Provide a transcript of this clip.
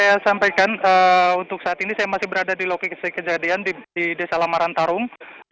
saya sampaikan untuk saat ini saya masih berada di lokasi kejadian di desa lamaran tarung